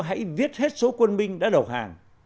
hãy viết hết số quân minh đã đầu hàng